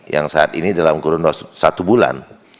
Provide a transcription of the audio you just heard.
yang saat ini dalam kurun waktu satu bulan